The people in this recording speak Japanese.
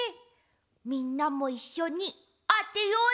みんなもいっしょにあてようね！